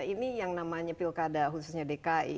ini yang namanya pilkada khususnya dki